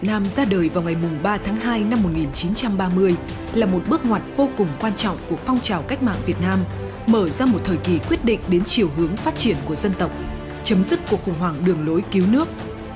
năm một nghìn chín trăm ba mươi là một bước ngoặt vô cùng quan trọng của phong trào cách mạng việt nam mở ra một thời kỳ quyết định đến chiều hướng phát triển của dân tộc chấm dứt cuộc khủng hoảng đường lối cứu nước